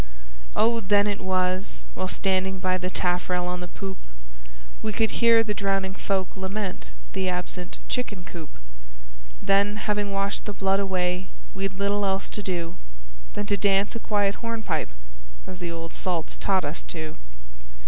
O! then it was (while standing by the taffrail on the poop) We could hear the drowning folk lament the absent chicken coop; Then, having washed the blood away, we'd little else to do Than to dance a quiet hornpipe as the old salts taught us to.